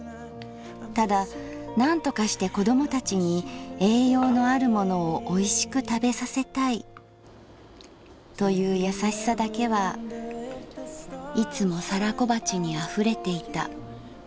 ただなんとかして子供たちに栄養のあるものをおいしく食べさせたいというやさしさだけはいつも皿小鉢に溢れていた」。